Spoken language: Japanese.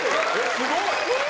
すごい！え